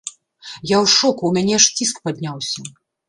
Я ў шоку, у мяне аж ціск падняўся.